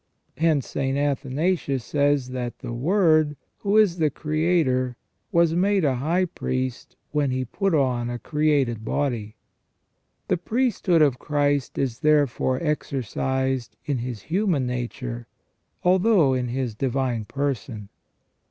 Hence St. Athanasius says that "the Word, who is the Creator, was made a high priest when He put on a created body ".* The priesthood of Christ is therefore exercised in His human nature although in His divine person.